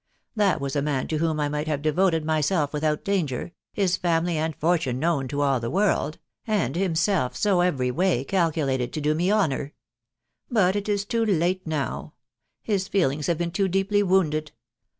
That was a man to whom I might have devoted myself without danger, his family and fortune known to all the world .... and himself so every way aUculated to do me honour. But \\ \a too \tteTHra \««,« wfgnj THE WIDOW BARNABT. 273 His feelings have been too deeply wounded